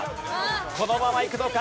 このままいくのか？